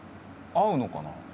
合うのかな？